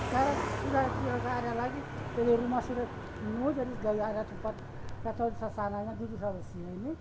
karena sudah ada lagi dari rumah sudah mulai dari area tempat sasana ini sampai sini